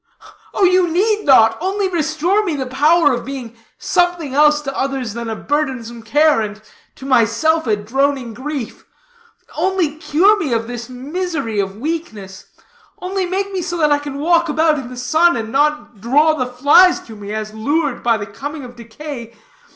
"Oh, you need not! only restore me the power of being something else to others than a burdensome care, and to myself a droning grief. Only cure me of this misery of weakness; only make me so that I can walk about in the sun and not draw the flies to me, as lured by the coming of decay.